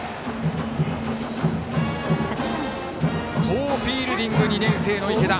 好フィールディング２年生の池田。